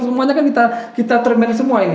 semuanya kan kita termin semua ini